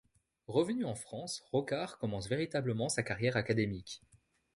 Revenu en France, Rocard commence véritablement sa carrière académique.